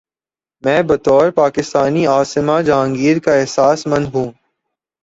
میں بطور پاکستانی عاصمہ جہانگیر کا احساس مند ہوں۔